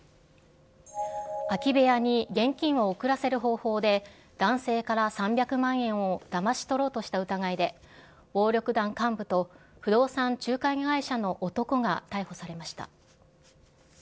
空き部屋に現金を送らせる方法で、男性から３００万円をだまし取ろうとした疑いで、暴力団幹部と不動産仲介会社の男が逮捕されました。